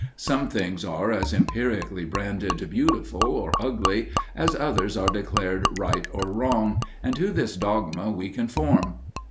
Some things are as empirically branded beautiful or ugly, as others are declared right or wrong, and to this dogma we conform.